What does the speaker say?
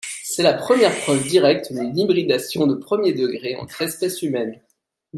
C'est la première preuve directe d'une hybridation de premier degré entre espèces humaines.